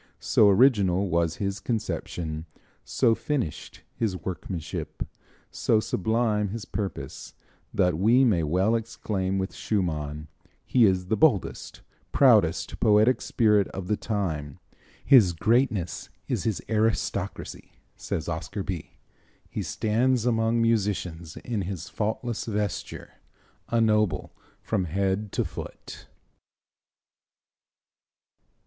So original was his conception, so finished his workmanship, so sublime his purpose, that we may well exclaim with Schumann, "He is the boldest, proudest poetic spirit of the time." "His greatness is his aristocracy," says Oscar Bie. "He stands among musicians in his faultless vesture, a noble from head to foot."